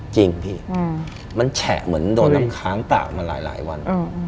จริงพี่มันแฉะเหมือนโดนน้ำค้างตากมาหลายวัน